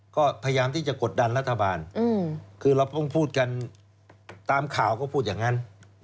ก็พยายามที่จะกดดันรัฐบาลคือเราเพิ่งพูดกันตามข่าวก็พูดอย่างนั้น